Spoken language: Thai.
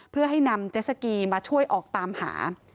เพื่อให้นำเจสสกีมาช่วยออกตามหา